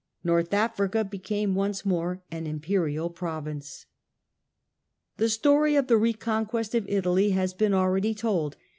North Africa became once more an Imperial province. The story of the reconquest of Italy has been already 2. Italy told.